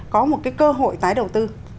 có một cái cơ hội tái đầu tư